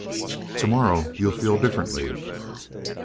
"Tomorrow you'll feel differently."